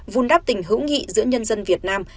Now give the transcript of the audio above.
vun đắp tình hữu nghị giữa nhân dân việt nam